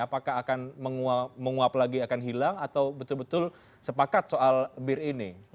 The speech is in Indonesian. apakah akan menguap lagi akan hilang atau betul betul sepakat soal bir ini